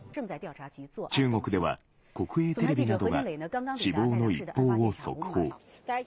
中国では国営テレビなどが、死亡の一報を速報。